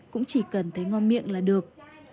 cũng chỉ cần thấy ngon miệng là được